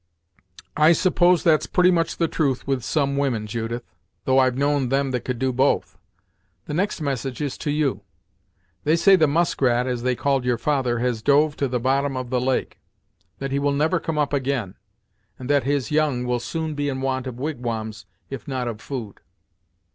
"I suppose that's pretty much the truth with some women, Judith, though I've known them that could do both. The next message is to you. They say the Muskrat, as they called your father, has dove to the bottom of the lake; that he will never come up again, and that his young will soon be in want of wigwams if not of food.